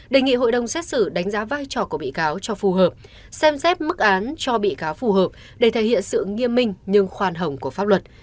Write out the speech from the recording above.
đề nghị hội đồng xét xử đánh giá vai trò của bị cáo cho phù hợp xem xét mức án cho bị cáo phù hợp để thể hiện sự nghiêm minh nhưng khoan hồng của pháp luật